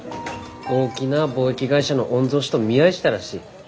大きな貿易会社の御曹司と見合いしたらしい。